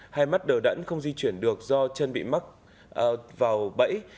hai mắt đờ đẫn không di chuyển được do chân bị mắc vào bẫy